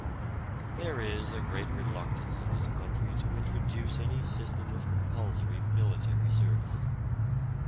There is a great reluctance in this country to introduce any system of compulsory military service.